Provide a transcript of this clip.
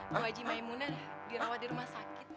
bu haji maimunah dirawat di rumah sakit be